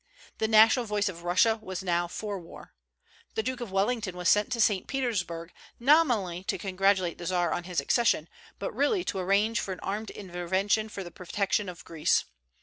The national voice of Russia was now for war. The Duke of Wellington was sent to St. Petersburg, nominally to congratulate the Czar on his accession, but really to arrange for an armed intervention for the protection of Greece.